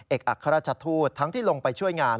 เอกอากราชทวทธิ์ทั้งที่ลงไปช่วยงาน